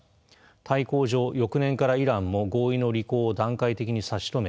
対抗上翌年からイランも合意の履行を段階的に差し止め